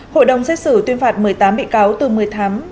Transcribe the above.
hội đồng xét xử tuyên phạt một mươi tám bị cáo từ một mươi chín h ba mươi